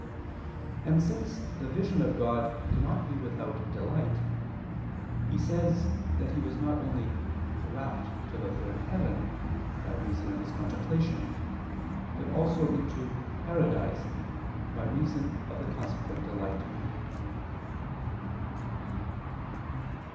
And since the vision of God cannot be without delight, he says that he was not only "rapt to the third heaven" by reason of his contemplation, but also into "Paradise" by reason of the consequent delight.